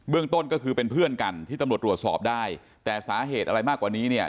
ต้นก็คือเป็นเพื่อนกันที่ตำรวจตรวจสอบได้แต่สาเหตุอะไรมากกว่านี้เนี่ย